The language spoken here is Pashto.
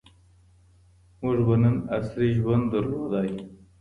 موږ به نن عصري ژوند درلودای.